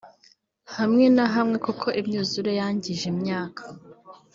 hamwe na hamwe koko imyuzure yangije imyaka